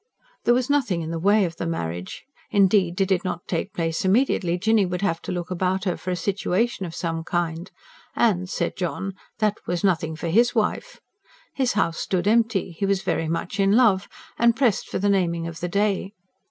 There was nothing in the way of the marriage; indeed, did it not take place immediately, Jinny would have to look about her for a situation of some kind; and, said John, that was nothing for HIS wife. His house stood empty; he was very much in love; and pressed for the naming of the day.